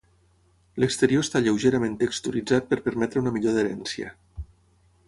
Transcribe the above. L'exterior està lleugerament texturitzat per permetre una millor adherència.